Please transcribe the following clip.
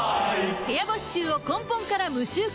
部屋干し臭を根本から無臭化